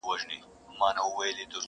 که معنا د عقل دا جهان سوزي وي,